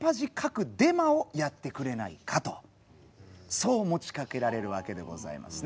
そう持ちかけられるわけでございますね。